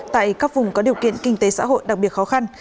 tại các vùng có điều kiện kinh tế xã hội đặc biệt khó khăn